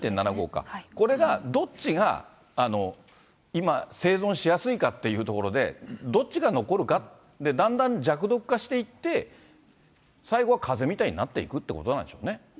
２．７５か、これがどっちが今、生存しやすいかというところで、どっちが残るか、だんだん弱毒化していって、最後はかぜみたいになっていくということなんでしょうね。